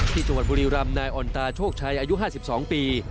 ที่จังหวัดบุรีรำนายอ่อนตาโชคชัยอายุ๕๒ปี